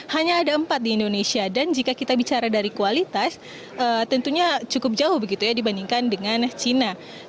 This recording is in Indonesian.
hanya ada empat di indonesia dan jika kita bicara dari kualitas tentunya cukup jauh begitu ya dibandingkan dengan cina